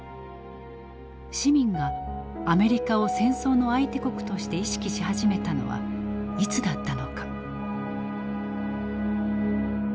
市民がアメリカを戦争の相手国として意識し始めたのはいつだったのか。